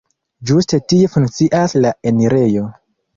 Ĝuste tie funkcias la enirejo.